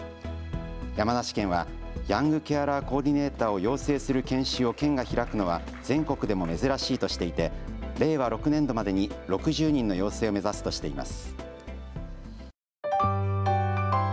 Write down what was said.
山梨県はヤングケアラー・コーディネーターを養成する研修を県が開くのは全国でも珍しいとしていて令和６年度までに６０人の養成を目指すとしています。